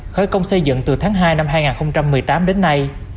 khởi công xây dựng từ tháng hai năm hai nghìn một mươi tám đến nay